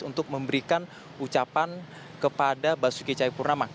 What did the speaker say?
untuk memberikan ucapan kepada basuki cahayapurnama